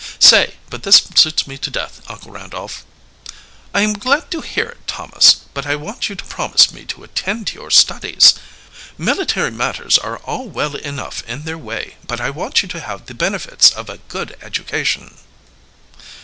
"Say, but this suits me to death, Uncle Randolph." "I am glad to hear it, Thomas. But I want you to promise me to attend to your studies. Military matters are all well enough in their way, but I want you to have the benefits of a good education."